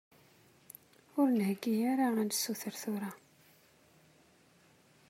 Ur nheggi ara ad nessuter tura.